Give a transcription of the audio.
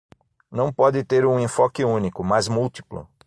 não pode ter um enfoque único, mas múltiplo.